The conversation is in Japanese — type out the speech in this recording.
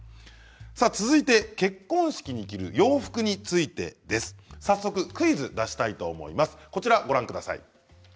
続いて、結婚式に着る洋服についてです。早速クイズを出したいと思います。